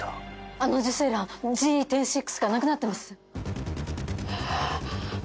あの受精卵ＧＥ１０．６がなくなってます。